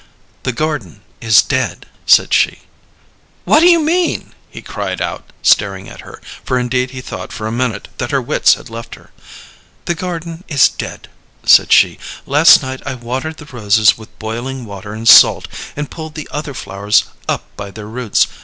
"The garden is dead," said she. "What do you mean?" he cried out, staring at her, for indeed he thought for a minute that her wits had left her. "The garden is dead," said she. "Last night I watered the roses with boiling water and salt, and I pulled the other flowers up by their roots.